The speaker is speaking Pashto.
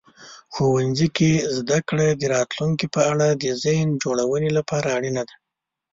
ښوونځي کې زده کړه د راتلونکي په اړه د ذهن جوړونې لپاره اړینه ده.